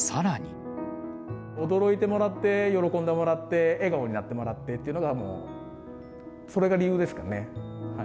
驚いてもらって、喜んでもらって、笑顔になってもらってっていうのが、もう、それが理由ですかね。